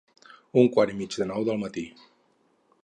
Un quart i mig de nou del matí.